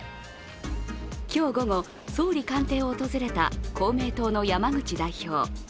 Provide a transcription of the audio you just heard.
今日午後、総理官邸を訪れた公明党の山口代表。